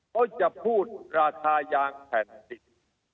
เขาจะพูดราคายางแผ่นดิน